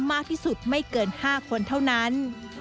มากที่สุดไม่เกิน๕คนเท่านั้น